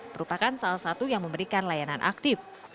merupakan salah satu yang memberikan layanan aktif